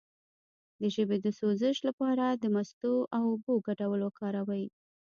د ژبې د سوزش لپاره د مستو او اوبو ګډول وکاروئ